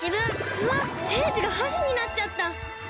うわっセージがはしになっちゃった！